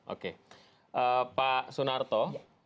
oke pak sunarto